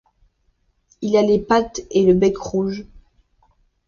Il a les pattes et le bec rouges.